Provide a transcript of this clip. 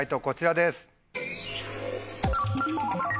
こちらです。